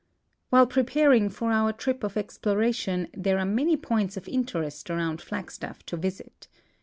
While preparing for our trip of exploration there are many points of interest around Flagstaff to visit.